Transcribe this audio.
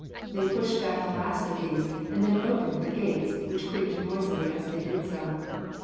They pushed back the last of these, and then opened the gates, which creaked noisily as they did so.